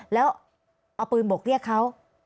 แล้วเอาปืนบกเรียกเขา